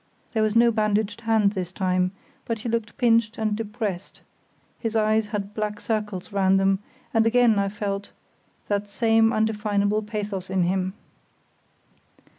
There was no bandaged hand this time, but he looked pinched and depressed; his eyes had black circles round them; and again I felt that same indefinable pathos in him.